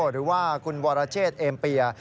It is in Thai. หรือว่าคุณวรเชษเอ็มเปีย